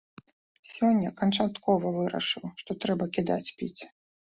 Сёння канчаткова вырашыў, што трэба кідаць піць.